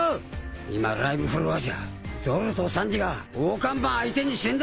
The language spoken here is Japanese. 今ライブフロアじゃゾロとサンジが大看板相手にしてんだ！